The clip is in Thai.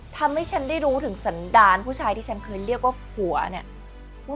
ทำให้ฉันได้รู้ถึงสันดารผู้ชายที่ฉันเคยเรียกว่าผัวเนี่ย